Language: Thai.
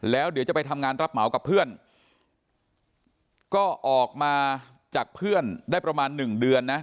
แล้วเดี๋ยวจะไปทำงานรับเหมากับเพื่อนก็ออกมาจากเพื่อนได้ประมาณหนึ่งเดือนนะ